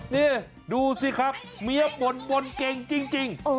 นี่ดูสิครับเมียบ่นเก่งจริง